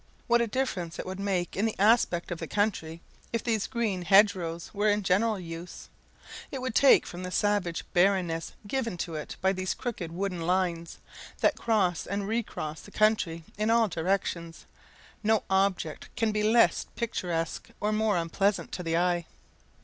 What a difference it would make in the aspect of the country if these green hedgerows were in general use! It would take from the savage barrenness given to it by these crooked wooden lines, that cross and recross the country in all directions: no object can be less picturesque or more unpleasing to the eye.